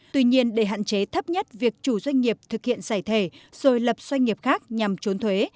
tuy nhiên để hạn chế thấp nhất việc chủ doanh nghiệp thực hiện giải thể rồi lập doanh nghiệp khác nhằm trốn thuế